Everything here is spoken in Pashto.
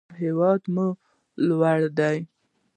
هیواد مو لوی ده.